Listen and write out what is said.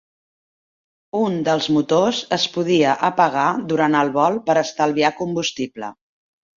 Un dels motors es podia apagar durant el vol per estalviar combustible.